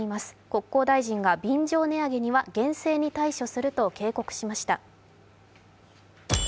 国交大臣が便乗値上げには厳正に対処すると警告しました。